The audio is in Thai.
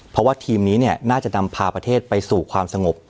เพราะว่าทีมนี้น่าจะนำพาประเทศไปสู่ความสงบ